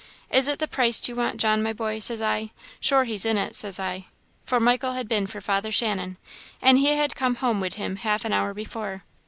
'Is it the praist you want, John, my boy?' says I 'sure he's in it,' says I'; for Michael had been for Father Shannon, an' he had come home wid him half an hour before.